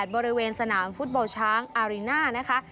บริเวณสนามฟุตบอลช้างอารีน่านะคะ